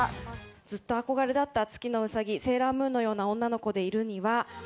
ずっと憧れだった月野うさぎ・セーラームーンのような女の子でいるには。